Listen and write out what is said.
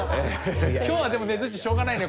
今日はでもねづっちしょうがないね。